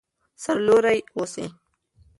سر لوړي اوسئ.